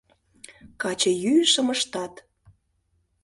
Качыйӱышым ыштат.